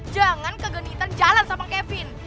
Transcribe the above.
jangan kegenitan jalan sama kevin